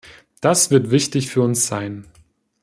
Das wird wichtig für uns sein.